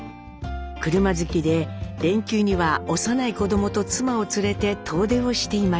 車好きで連休には幼い子どもと妻を連れて遠出をしていました。